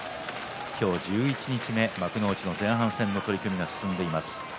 今日、十一日目、幕内の前半戦の取組が進んでいます。